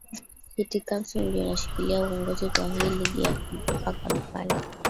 city council ndio inashikilia uongozi wa hii ligi ya hapa kampala